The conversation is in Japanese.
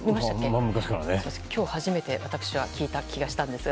今日初めて私は聞いた気がしたんですが。